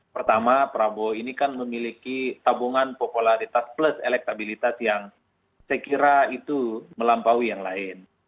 pertama prabowo ini kan memiliki tabungan popularitas plus elektabilitas yang saya kira itu melampaui yang lain